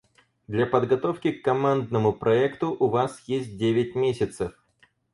Для подготовки к командному проекту у вас есть девять месяцев.